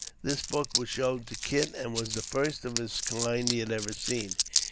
This book was shown to Kit and was the first of the kind he had ever seen.